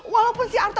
walaupun si arta